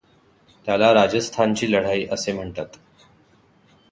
त्याला राजस्थानची लढाई असे म्हणतात.